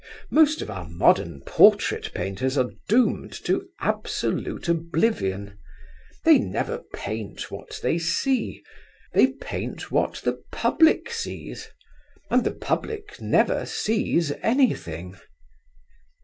Most of our modern portrait painters are doomed to absolute oblivion. They never paint what they see. They paint what the public sees, and the public never sees anything.